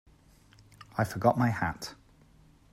I forgot my hat.